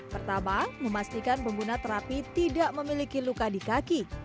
pertama memastikan pengguna terapi tidak memiliki luka di kaki